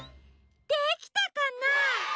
できたかな？